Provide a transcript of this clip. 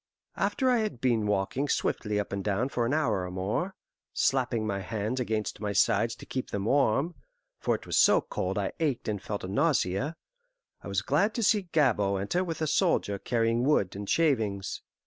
After I had been walking swiftly up and down for an hour or more, slapping my hands against my sides to keep them warm for it was so cold I ached and felt a nausea I was glad to see Gabord enter with a soldier carrying wood and shavings.